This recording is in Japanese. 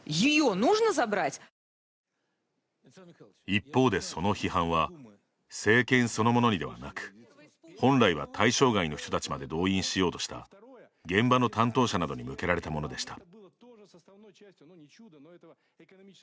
一方で、その批判は政権そのものにではなく本来は対象外の人たちまで動員しようとした現場の担当者などに向けられたものでした。